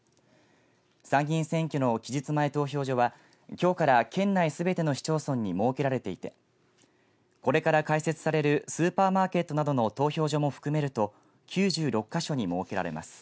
参議院選挙の期日前投票所はきょうから県内すべての市町村に設けられていてこれから開設されるスーパーマーケットなどの投票所も含めると９６か所に設けられます。